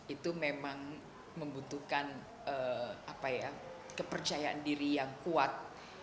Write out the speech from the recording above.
itu memang membutuhkan kepercayaan diri yang kuat